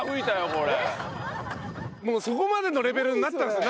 もうそこまでのレベルになったんですね